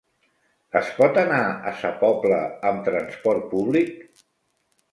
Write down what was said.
Es pot anar a Sa Pobla amb transport públic?